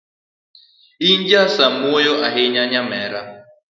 In ja samuoyo ahinya nyamera.